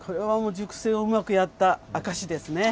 熟成がうまくいった証しですね。